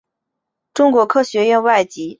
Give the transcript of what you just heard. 中国科学院外籍院士和欧洲科学院院士。